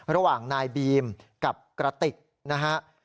ระหว่างนายบีมกับกระติกนะฮะ